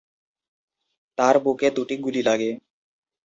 তার বুকে দুটি গুলি লাগে।